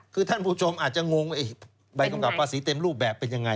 คือท่านผู้ชมอาจจะงงว่าใบกำกับภาษีเต็มรูปแบบเป็นยังไง